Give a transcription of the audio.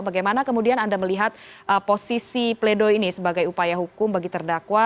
bagaimana kemudian anda melihat posisi pledo ini sebagai upaya hukum bagi terdakwa